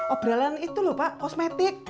obralan itu loh pak kosmetik